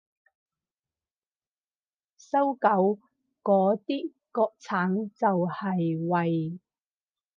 搜狗嗰啲國產就係為